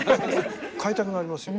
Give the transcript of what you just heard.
買いたくなりますよ。